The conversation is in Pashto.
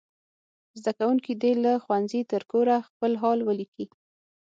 زده کوونکي دې له ښوونځي تر کوره خپل حال ولیکي.